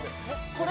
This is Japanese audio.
これ？